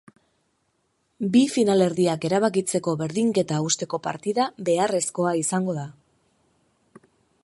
Bi finalerdiak erabakitzeko berdinketa hausteko partida beharrezkoa izango da.